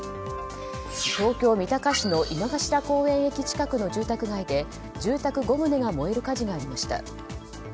東京・三鷹市の井の頭駅公園近くの住宅街で住宅５棟が燃える火事がありました。